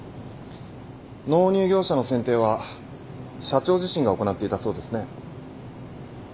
納入業者の選定は社長自身が行っていたそうですね。